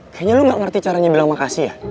kayaknya lu gak ngerti caranya bilang makasih ya